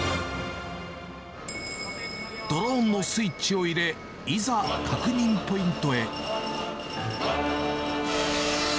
ドローンのスイッチを入れ、いざ、確認ポイントへ。